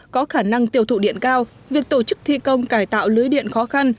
có khả năng tiêu thụ điện cao việc tổ chức thi công cải tạo lưới điện khó khăn